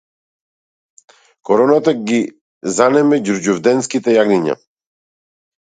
Короната ги занеме ѓурѓовденските јагниња